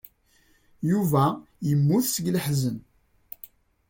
Yuba yemmut seg leḥzen.